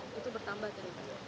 itu bertambah dari